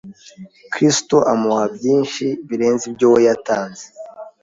Kristo amuha byinshi birenze ibyo we yatanze